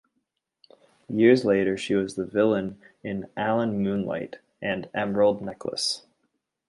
Years later she was the villain in "Alen Moonlight" and "Emerald Necklace".